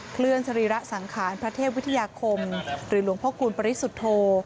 เคลื่อนสรีระสังขารพระเทพวิทยาคมหรือหลวงพ่อคูณปริสุทธโธ